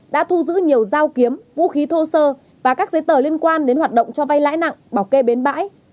đã thu giữ nhiều dao kiếm vũ khí thô sơ và các giấy tờ liên quan đến hoạt động cho vay lãi nặng bảo kê bến bãi